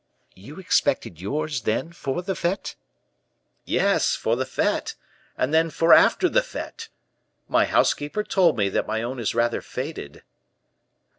"You expected yours, then, for the fete?" "Yes, for the fete, and then for after the fete. My housekeeper told me that my own is rather faded."